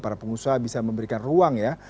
para pengusaha bisa memberikan ruang ya